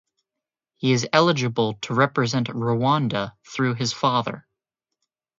He is eligible to represent Rwanda through his father.